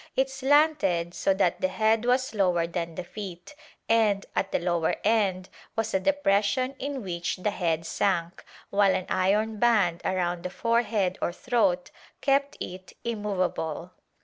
It slanted so that the head was lower than the feet and, at the lower end was a depression in which the head sank, while an iron band around the forehead or throat kept it immovable.